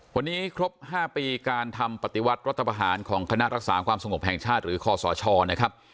วันนี้ครบ๕ปีการทำปฏิวัติรัตน์รัฐพลาฮารของคณะรักษาความส่งหกแพงชาติหรือขศเนี่ยครับ